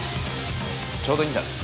ちょうどいいんじゃない！？